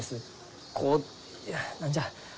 こう何じゃ？